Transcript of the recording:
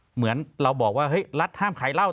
เหมือนเราบอกว่าเฮ้ยรัฐห้ามขายเหล้า